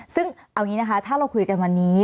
ซึ่งเอาอย่างนี้นะคะถ้าเราคุยกันวันนี้